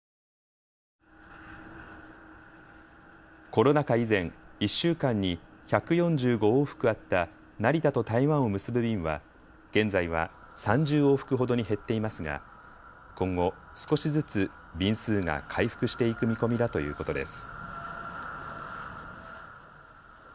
コロナ禍以前、１週間に１４５往復あった成田と台湾を結ぶ便は現在は３０往復ほどに減っていますが今後、少しずつ便数が回復していく見込みだということです。